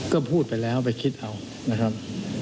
ก็พูดไปแล้วไปคิดเอานะครับ